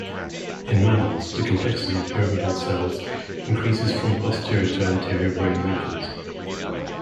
In mammals, the complexity of pyramidal cells increases from posterior to anterior brain regions.